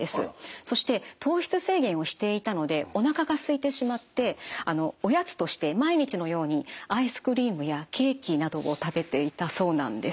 そして糖質制限をしていたのでおなかがすいてしまっておやつとして毎日のようにアイスクリームやケーキなどを食べていたそうなんです。